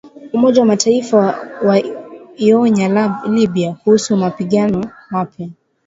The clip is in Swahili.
Umoja wa Mataifa waionya Libya kuhusu mapigano mapya